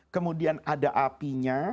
kemudian ada apinya